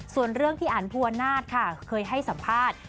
ส่วนเรื่องที่อันภูวนาศค่ะเคยให้สัมภาษณ์